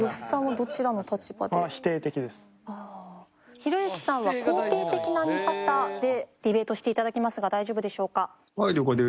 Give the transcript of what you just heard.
ひろゆきさんは「肯定的な見方」でディベートしていただきますが大丈夫でしょうか？